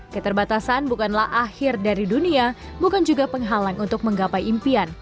keterbatasan bukanlah akhir dari dunia bukan juga penghalang untuk menggapai impian